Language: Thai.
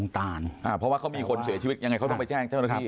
เพราะว่าเขามีคนเสียชีวิตยังไงเขาต้องไปแจ้งเจ้าหน้าที่